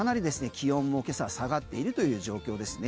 気温も今朝下がっているという状況ですね。